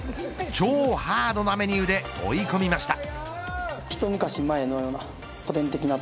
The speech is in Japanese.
超ハードなメニューで追い込みました。